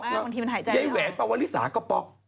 ไยแหวนมะวอลริศาปลอ